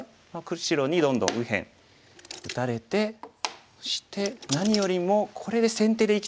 白にどんどん右辺打たれてそして何よりもこれで先手で生きてるのがつらいですね。